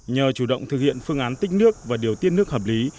nhờ chủ động thực hiện phương án tích nước và điều tiết nước hợp lý